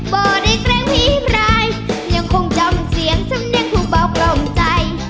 บ่อดินแกร่งพี่รายยังคงจำเสียงเสมอเนี้ยงผู้เบาคล่องใจ